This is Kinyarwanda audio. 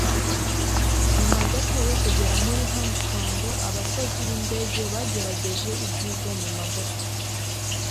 nyuma gato yo kugera muri Hong Kong. Abakozi b'indege bagerageje ibyiza nyuma gato